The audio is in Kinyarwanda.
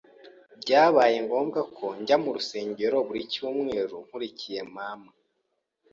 byabaye ngombwa ko njya murusengero buri cyumweru nkurikiye mama